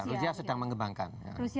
rusia sedang mengembangkan